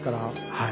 はい。